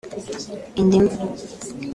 indimu